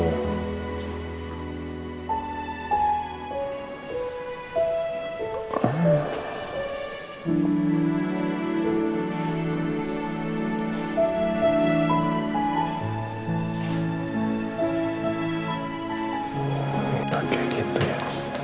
gak kayak gitu ya